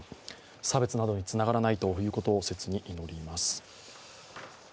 差別などにつながらないことを切に祈ります。